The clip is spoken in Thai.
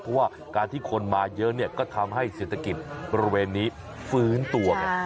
เพราะว่าการที่คนมาเยอะเนี่ยก็ทำให้เศรษฐกิจบริเวณนี้ฟื้นตัวไง